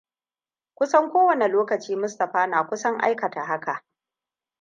Ku san ko wane lokaci Mustapha na kusan aikata haka.